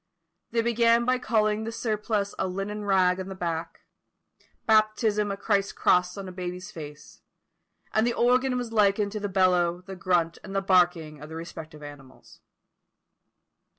They began by calling the surplice a linen rag on the back; baptism a Christ's cross on a baby's face; and the organ was likened to the bellow, the grunt, and the barking of the respective animals.